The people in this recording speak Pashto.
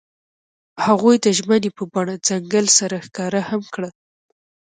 هغوی د ژمنې په بڼه ځنګل سره ښکاره هم کړه.